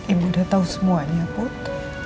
ibu udah tahu semuanya put